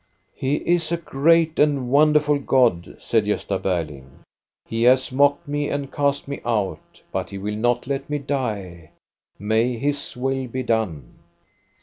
" He is a great and wonderful God," said Gosta Berling. " He has mocked me and cast me out, but He will not let me die. May His will be done